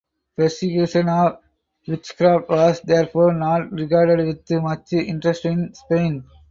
Persecution of witchcraft was therefore not regarded with much interest in Spain.